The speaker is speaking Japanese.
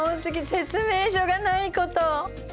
説明書がないこと。